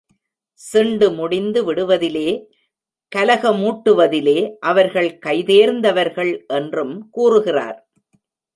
சிண்டு முடிந்து விடுவதிலே, கலக மூட்டுவதிலே அவர்கள் கைதேர்ந்தவர்கள் என்றும் கூறுகிறார்.